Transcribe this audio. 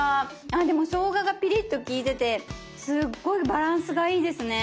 でもしょうががピリッと利いててすっごいバランスがいいですね。